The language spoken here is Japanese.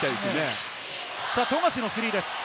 富樫のスリーです。